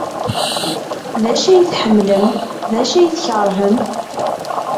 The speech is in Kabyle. D acu ay tḥemmlem? D acu ay tkeṛhem?